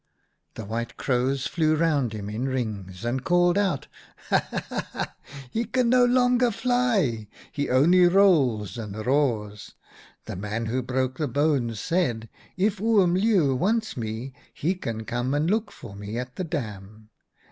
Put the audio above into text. " The White Crows flew round him in rings, and called out :' Ha ! ha ! ha ! he can no longer fly ! He only rolls and roars ! The man who broke the bones said :" If Oom Leeuw wants me he can come and look for me at the dam."